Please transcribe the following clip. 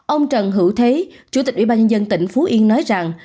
ông trần hữu thế chủ tịch ủy ban nhân tỉnh phú yên nói rằng